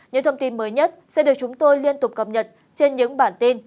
những thông tin mới nhất sẽ được chúng tôi liên tục cập nhật trên những bản tin